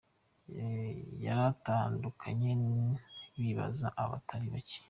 yaratandukanye bibabaza abatari bake .